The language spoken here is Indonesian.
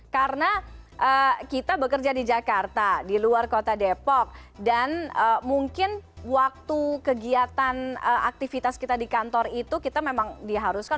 karena kita bekerja di jakarta di luar kota depok dan mungkin waktu kegiatan aktivitas kita di kantor itu kita memang diharuskan